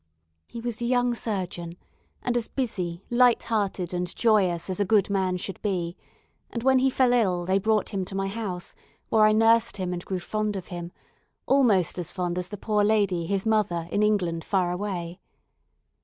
He was a young surgeon, and as busy, light hearted, and joyous as a good man should be; and when he fell ill they brought him to my house, where I nursed him, and grew fond of him almost as fond as the poor lady his mother in England far away.